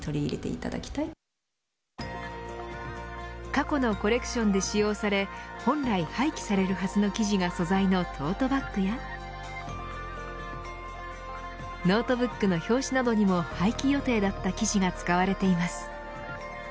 過去のコレクションで使用され本来廃棄されるはずの生地が素材のトートバックやノートブックの表紙などにも廃棄予定だった生地が使われています。